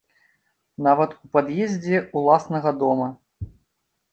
Нават у пад'ездзе ўласнага дома.